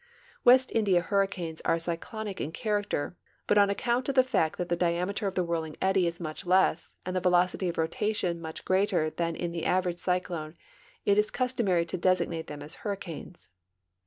West India Imrricanes are c}' clonic in character, but on account of the fact that the diameter of the whirling edd_y is much less and the velocit}'' of rotation much greater than in the average cyclone, it is customary to designate them as hurricanes.